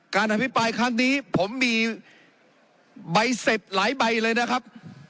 อภิปรายครั้งนี้ผมมีใบเสร็จหลายใบเลยนะครับ